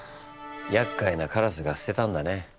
やっかいなカラスが捨てたんだね。